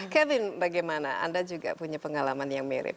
kevin bagaimana anda juga punya pengalaman yang mirip